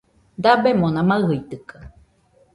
Dabemona maɨjitɨkaɨ